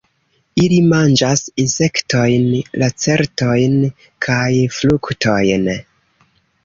Ili manĝas insektojn, lacertojn kaj fruktojn.